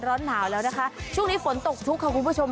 ร้อนหนาวแล้วนะคะช่วงนี้ฝนตกชุกค่ะคุณผู้ชม